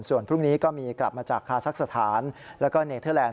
ส่วนพรุ่งนี้ก็มีกลับมาจากคาซักสถานแล้วก็เนเทอร์แลนด